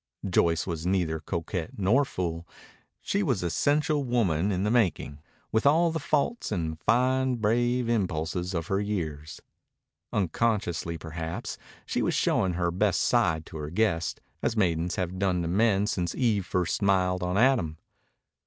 Joyce was neither coquette nor fool. She was essential woman in the making, with all the faults and fine brave impulses of her years. Unconsciously, perhaps, she was showing her best side to her guest, as maidens have done to men since Eve first smiled on Adam.